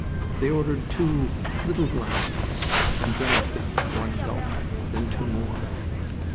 They ordered two "little glasses" and drank them at one gulp. Then two more.